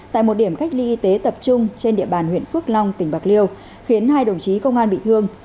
tại một điểm cách ly y tế tập trung trên địa bàn huyện phước long tỉnh bạc liêu khiến hai đồng chí công an bị thương